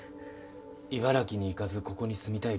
茨城に行かずここに住みたい理由って。